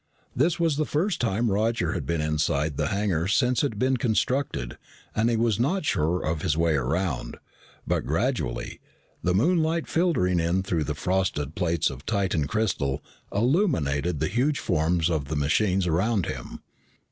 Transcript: It was the first time Roger had been inside the hangar since it had been constructed and he was not sure of his way around, but gradually, the moonlight filtering in through the frosted plates of Titan crystal illuminated the huge forms of the machines around him.